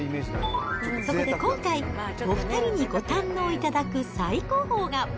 そこで今回、お２人にご堪能いただく最高峰が。